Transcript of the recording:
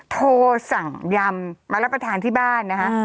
โทรสั่งยำมารับประทานที่บ้านนะคะ